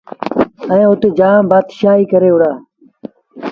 اَت جآم بآتشآهيٚ ڪري وُهڙآ۔